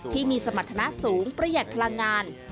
ที่มีสมรรถนะสูงประหยัดพลังงาน